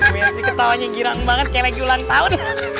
biar sih ketawanya girang banget kayak lagi ulang tahun